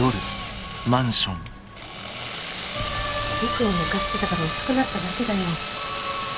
璃久を寝かせてたから遅くなっただけだよ。